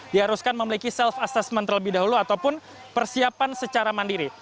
diharuskan memiliki self assessment terlebih dahulu ataupun persiapan secara mandiri